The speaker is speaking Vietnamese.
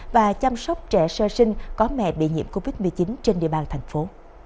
và chăm sóc trẻ sơ sinh có mẹ bị nhiễm covid một mươi chín trên địa bàn thành phố